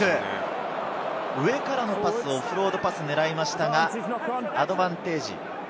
上からのパス、オフロードパスを狙いましたがアドバンテージ。